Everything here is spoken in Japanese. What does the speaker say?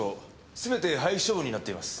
全て廃棄処分になっています。